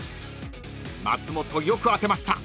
［松本よく当てました］